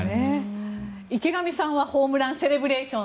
池上さんはホームランセレブレーション